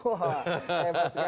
wah hebat sekali